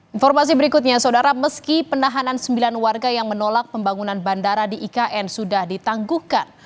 informasi berikutnya saudara meski penahanan sembilan warga yang menolak pembangunan bandara di ikn sudah ditangguhkan